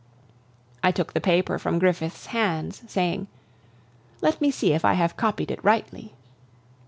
I took the paper from Griffith's hands, saying: "Let me see if I have copied it rightly."